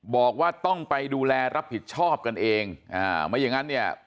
บอกว่าต้องไปดูแลรับผิดชอบกันเองอ่าไม่อย่างงั้นเนี่ย